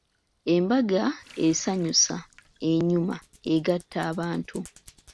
"Embaga esanyusa, enyuma, egatta abantu."